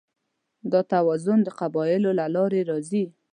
دا توازن د قبلولو له لارې راځي.